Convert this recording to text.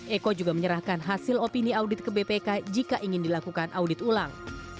eko juga menyerahkan hasil opini audit ke bpk jika ingin dilakukan audit ulang